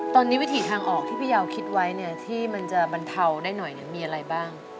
ตอนนี้วิถีทางออกที่พี่ยาวคิดไว้เนี่ยที่มันจะบรรเทาได้หน่อยมีอะไรบ้าง